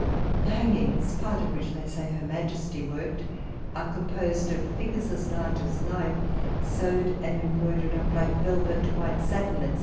The hangings, part of which they say her Majesty worked, are composed of figures as large as life, sewed and embroidered on black velvet, white satin, etc.